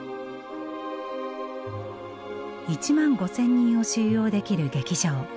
１万５，０００人を収容できる劇場。